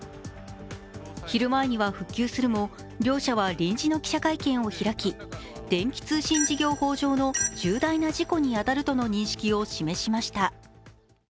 昼前には復旧するも両社は臨時の記者会見を開き電気通信事業法上の重大な事故に当たるとの認識を示しました。